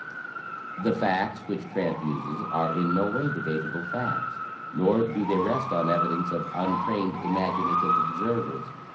"The facts which Trant uses are in no way debatable facts; nor do they rest on evidence of untrained, imaginative observers.